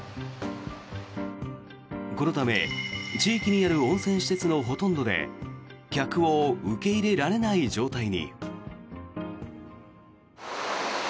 このため地域にある温泉施設のほとんどで客を受け入れられない状態に。